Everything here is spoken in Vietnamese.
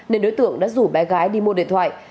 nên đối tượng đã rủ bé gái đi mua điện thoại